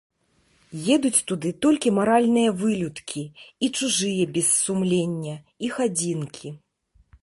Едуць туды толькі маральныя вылюдкі і чужыя без сумлення, іх адзінкі.